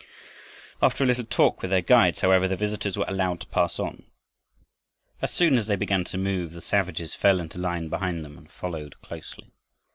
After a little talk with the guides, however, the visitors were allowed to pass on. As soon as they began to move, the savages fell into line behind them and followed closely.